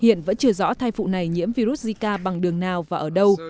hiện vẫn chưa rõ thai phụ này nhiễm virus zika bằng đường nào và ở đâu